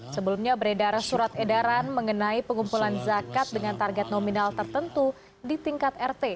sebelumnya beredar surat edaran mengenai pengumpulan zakat dengan target nominal tertentu di tingkat rt